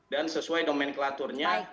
dan sesuai nomenklaturnya